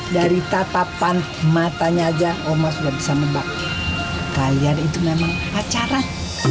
dari tatapan matanya aja oma sudah bisa membakar kalian itu memang pacaran